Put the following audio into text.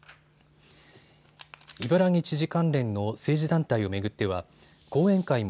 伊原木知事関連の政治団体を巡っては後援会も